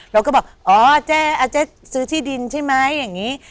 เราก็บอกอ๋อเจ๊อาเจ๊ซื้อที่ดินใช่ไหมอย่างนี้